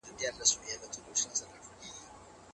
منډېلا په رښتیا هم د انسانیت یو ځلانده ستوری و.